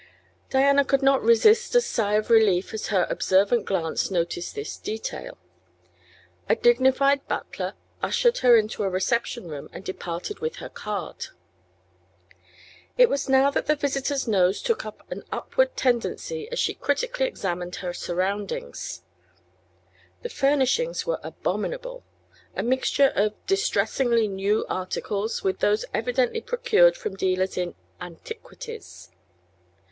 Diana could not resist a sigh of relief as her observant glance noted this detail. A dignified butler ushered her into a reception room and departed with her card. It was now that the visitor's nose took an upward tendency as she critically examined her surroundings. The furnishings were abominable, a mixture of distressingly new articles with those evidently procured from dealers in "antiquities."